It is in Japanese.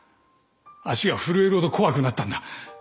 足が震えるほど怖くなったんだ。